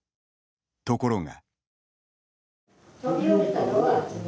ところが。